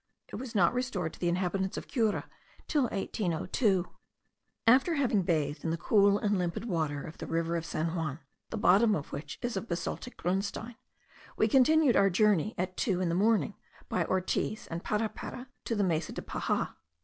It was not restored to the inhabitants of Cura till 1802. After having bathed in the cool and limpid water of the little river of San Juan, the bottom of which is of basaltic grunstein, we continued our journey at two in the morning, by Ortiz and Parapara, to the Mesa de Paja.